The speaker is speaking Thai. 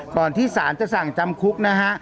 ก่อนที่ศาลจะสั่งจำคุกนะฮะ